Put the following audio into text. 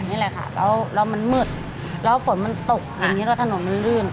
นี่แหละค่ะแล้วมันมืดแล้วฝนมันตกอย่างนี้แล้วถนนมันลื่น